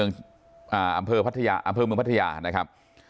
ว่าอำเพลย์พัทยาอำเพลย์มือพัทยานะครับ